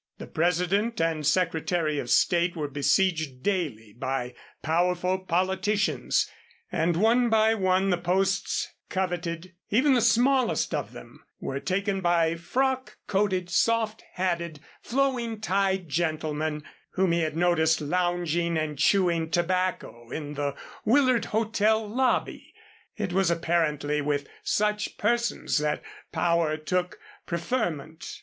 The President and Secretary of State were besieged daily by powerful politicians, and one by one the posts coveted, even the smallest of them, were taken by frock coated, soft hatted, flowing tied gentlemen, whom he had noticed lounging and chewing tobacco in the Willard Hotel lobby. It was apparently with such persons that power took preferment.